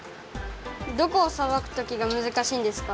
どこをさばくときがむずかしいんですか？